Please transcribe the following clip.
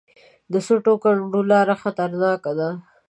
د سټو کنډو لاره خطرناکه ده